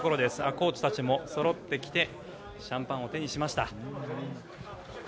コーチたちもそろってきてシャンパンを手にしました。